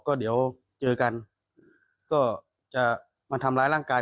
ก็เดี๋ยวเจอกันก็จะมาทำร้ายร่างกาย